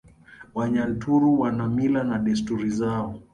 Wanyaturu wana Mila na Desturi zao